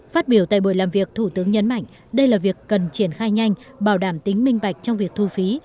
phát biểu tại buổi làm việc thủ tướng nhấn mạnh đây là việc cần triển khai nhanh bảo đảm tính minh bạch trong việc thu phí